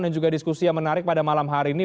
dan juga diskusi yang menarik pada malam hari ini